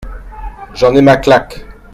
J’en ai ma claque.